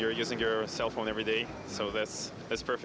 anda menggunakan handphone anda setiap hari